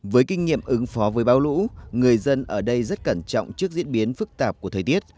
với kinh nghiệm ứng phó với bão lũ người dân ở đây rất cẩn trọng trước diễn biến phức tạp của thời tiết